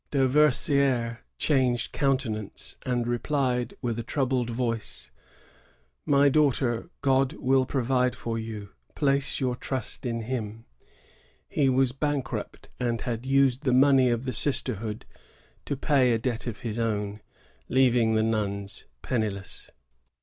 Dauversi^re changed countenance, and replied with a troubled voice: ^^My daughter, God will provide TOL. I. — 7 98 THE HOLY WARS OF MONTREAL. [1642 57. for you. Place your trust in Him." ^ He was bank* rupty and had used the money of the sisterhood to pay a debt of his own, leaving the nuns penniless.